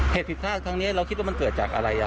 เหตุผิดข้างนี้เราคิดว่ามันเกิดจากอะไรอ่ะ